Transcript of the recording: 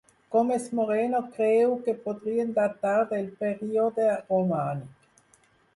Gómez Moreno creu que podrien datar del període romànic.